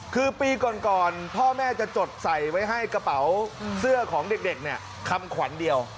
คือปีก่อนพ่อแม่จะจดใส่ไว้ให้กระเป๋าเสื้อของเด็กเนี่ยคำขวัญเดียว